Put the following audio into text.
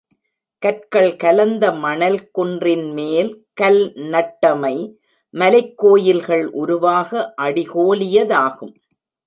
கற்கள் கலந்த மணல் குன்றின் மேல் கல் நட்டமை, மலைக் கோயில்கள் உருவாக அடிகோலியதாகும்.